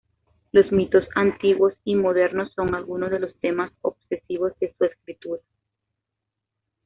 Los mitos antiguos y modernos son algunos de los temas obsesivos de su escritura.